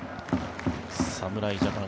侍ジャパン